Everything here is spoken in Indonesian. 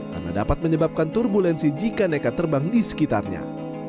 karena dapat menyebabkan turbulensi jika naikkan terbang di sekitarnya